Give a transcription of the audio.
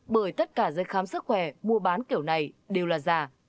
bởi tất cả dây khám sức khỏe mua bán kiểu này đều là giả